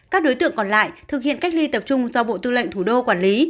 các đối tượng còn lại thực hiện cách ly tập trung do bộ tư lệnh thủ đô quản lý